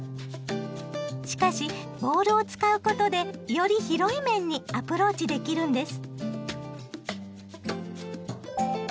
しかしボールを使うことでより広い面にアプローチできるんです！